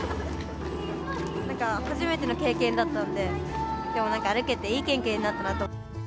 なんか初めての経験だったので、でもなんか、歩けていい経験になったなと。